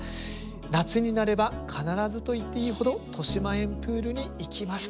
夏になれば必ずと言っていいほど豊島園プールに行きました。